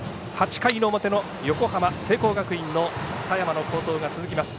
８回の表の横浜聖光学院の佐山の好投が続きます。